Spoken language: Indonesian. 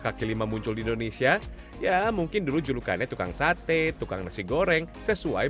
kaki lima muncul di indonesia ya mungkin dulu julukannya tukang sate tukang nasi goreng sesuai